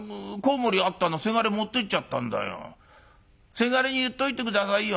せがれに言っといて下さいよ。